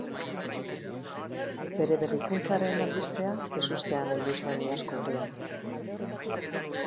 Bere berrikuntzaren albistea ezustean heldu zen iazko urrian.